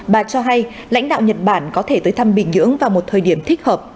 bà cho hay lãnh đạo nhật bản có thể tới thăm bình nhưỡng vào một thời điểm thích hợp